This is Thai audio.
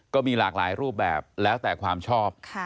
ก็มีหลากหลายรูปแบบแล้วแต่ความชอบ